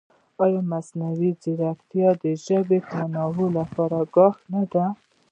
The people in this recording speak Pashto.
ایا مصنوعي ځیرکتیا د ژبني تنوع لپاره ګواښ نه دی؟